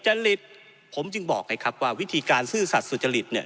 จริตผมจึงบอกให้ครับว่าวิธีการซื้อสัตธรรมเนี้ย